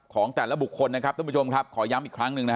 ของแต่ละบุคคลนะครับท่านผู้ชมครับขอย้ำอีกครั้งหนึ่งนะฮะ